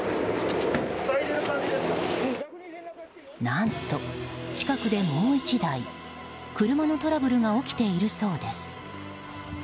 何と近くでもう１台車のトラブルが起きているそうです。